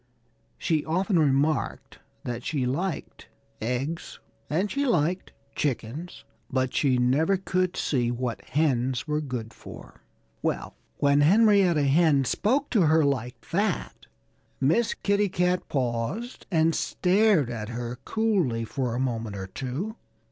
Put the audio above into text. She often remarked that she liked eggs and she liked chickens; but she never could see what hens were good for. Well, when Henrietta Hen spoke to her like that Miss Kitty Cat paused and stared at her coolly for a moment or two.